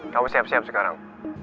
kamu siap siap sekarang